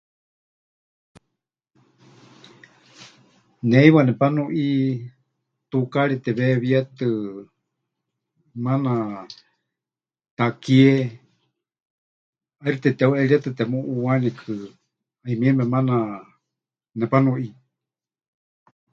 Ne heiwa nepanuʼi tukaari teweewíetɨ maana takie ʼaixɨ teteheuʼeríetɨ temuʼuuwanikɨ, 'ayumieme maana nepanuʼi.